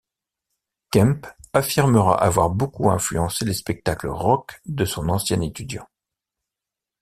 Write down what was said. Kemp affirmera avoir beaucoup influencé les spectacles rock de son ancien étudiant.